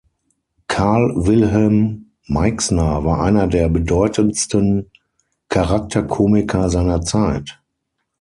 Karl Wilhelm Meixner war einer der bedeutendsten Charakterkomiker seiner Zeit.